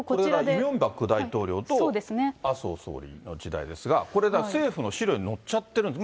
イ・ミョンバク大統領と麻生総理の時代ですが、これは資料の政府に載っちゃってるんです。